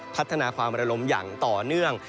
พัฒนาความระลมอย่างต่อเนื่อง